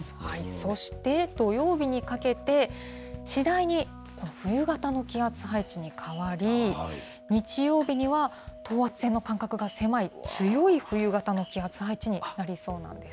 そして、土曜日にかけて、次第にこの冬型の気圧配置に変わり、日曜日には、等圧線の間隔が狭い強い冬型の気圧配置になりそうなんです。